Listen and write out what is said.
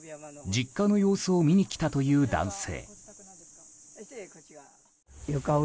実家の様子を見に来たという男性。